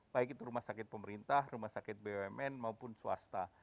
baik itu rumah sakit pemerintah rumah sakit bumn maupun swasta